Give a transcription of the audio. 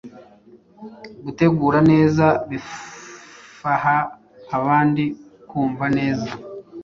Gutegura neza bifaha abandi kumva neza